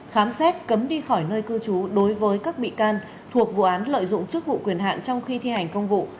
khám xét cấm đi khỏi nơi cư trú đối với các bị can thuộc vụ án lợi dụng chức vụ quyền hạn trong khi thi hành công vụ